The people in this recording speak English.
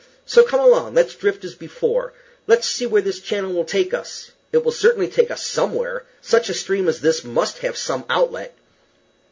So come along. Let's drift as before. Let's see where this channel will take us. It will certainly take us somewhere. Such a stream as this must have some outlet."